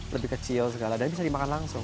lebih kecil segala dan bisa dimakan langsung